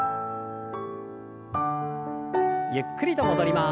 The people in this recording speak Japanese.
ゆっくりと戻ります。